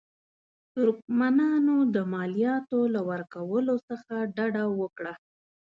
ترکمنانو د مالیاتو له ورکولو څخه ډډه وکړه.